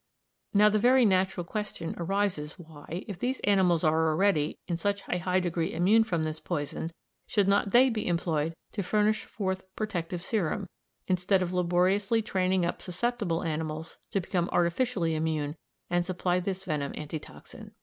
Now the very natural question arises why, if these animals are already in such a high degree immune from this poison, should not they be employed to furnish forth protective serum, instead of laboriously training up susceptible animals to become artificially immune and supply this venom anti toxin?